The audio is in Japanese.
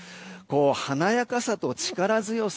華やかさと力強さ。